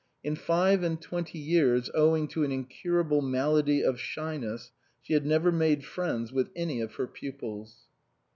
In five and twenty years, owing to an incurable malady of shyness, she had never made friends with any of her pupils.